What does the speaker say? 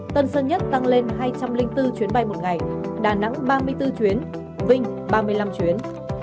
tân sơn nhất tăng lên hai trăm linh bốn chuyến bay một ngày đà nẵng ba mươi bốn chuyến vinh ba mươi năm chuyến